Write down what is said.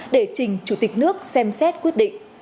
để trình chủ tịch nước xem xét quyết định